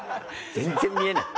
全然見えない。